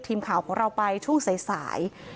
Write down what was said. ทีมข่าวของเราไปช่วงสาย